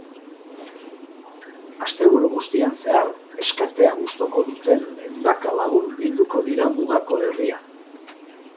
Asteburu guztian zehar skatea gustuko duten ehundaka lagun bilduko dira mugako herrian.